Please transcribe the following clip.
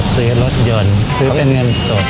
ซื้อรถยนต์ซื้อเป็นเงินสด